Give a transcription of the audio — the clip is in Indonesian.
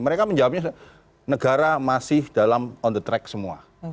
mereka menjawabnya negara masih dalam on the track semua